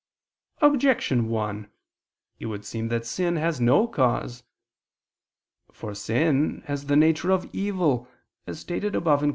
Objection 1: It would seem that sin has no cause. For sin has the nature of evil, as stated above (Q.